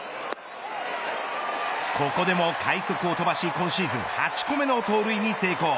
ここでも快足を飛ばし今シーズン８個目の盗塁に成功。